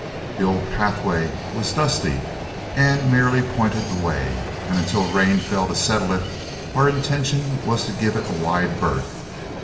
The old pathway was dusty and merely pointed the way, and until rain fell to settle it, our intention was to give it a wide berth.